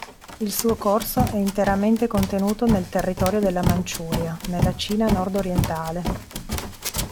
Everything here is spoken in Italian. Il suo corso è interamente contenuto nel territorio della Manciuria, nella Cina nordorientale.